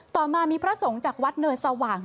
ต่อมามีพระสงฆ์จากวัดเนินสว่าง